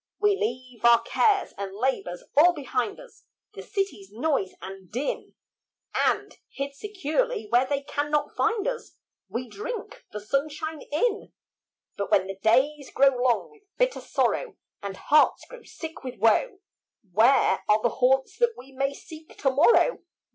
We leave our cares and labours all behind us, The city's noise and din, And, hid securely where they cannot find us, We drink the sunshine in. But when the days grow long with bitter sorrow, And hearts grow sick with woe, Where are the haunts that we may seek to morrow?